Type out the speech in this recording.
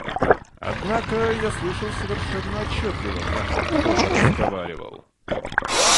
Однако, я слышал совершенно отчетливо, как тут кто-то разговаривал.